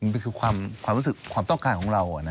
มันคือความต้องการของเรา